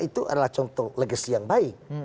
itu adalah contoh legacy yang baik